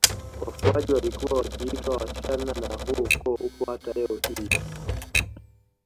Wafuaji walikuwa wakiitwa Washana na huo ukoo upo hata leo hii